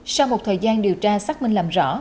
sau một thời gian điều tra xác minh làm rõ